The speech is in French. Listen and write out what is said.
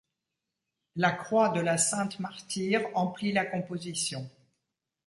La croix de la sainte martyre emplit la composition.